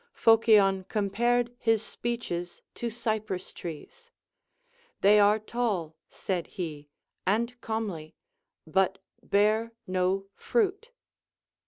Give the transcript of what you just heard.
Phocion compared his speeches to cypress trees ; They are tall, said he, and comely, but bear no frait.